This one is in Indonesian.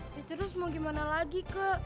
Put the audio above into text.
terus mau gimana lagi ke